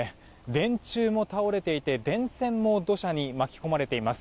電柱も倒れていて、電線も土砂に巻き込まれています。